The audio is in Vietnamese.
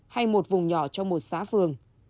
hay một vùng nhỏ trong một xã phường